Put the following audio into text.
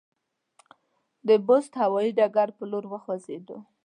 د بُست هوایي ډګر پر لور وخوځېدو.